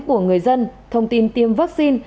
của người dân thông tin tiêm vaccine